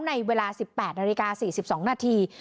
ในเวลา๑๘นาฬิกา๔๒นาที